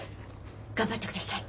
頑張ってください。